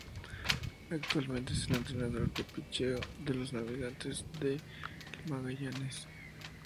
Actualmente es el entrenador de pitcheo de los Navegantes del Magallanes.